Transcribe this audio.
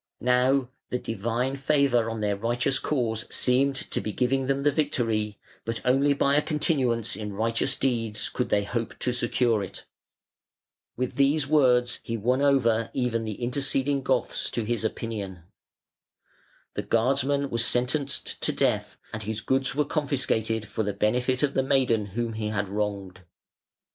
Now the Divine favour on their righteous cause seemed to be giving them the victory, but only by a continuance in righteous deeds could they hope to secure it. With these words he won over even the interceding Goths to his opinion. The guardsman was sentenced to death, and his goods were confiscated for the benefit of the maiden whom he had wronged.